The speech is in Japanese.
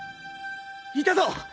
いたぞ！